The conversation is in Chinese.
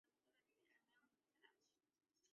裂萼大乌泡为蔷薇科悬钩子属下的一个变种。